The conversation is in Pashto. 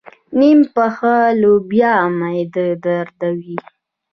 نيم پخه لوبیا معده دردوي.